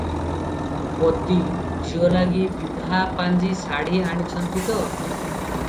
ପଦୀ-ଝିଅ ଲାଗି ବିଭା ପାଞ୍ଚି ଶାଢୀ ଆଣିଛନ୍ତି ତ?